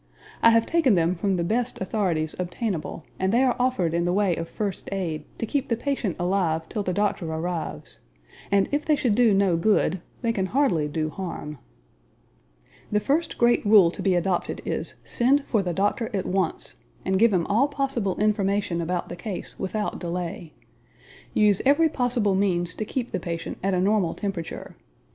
I have taken them from the best authorities obtainable and they are offered in the way of first aid, to keep the patient alive till the doctor arrives; and if they should do no good, they can hardly do harm. The first great rule to be adopted is SEND FOR THE DOCTOR AT ONCE and give him all possible information about the case without delay. Use every possible means to keep the patient at a normal temperature.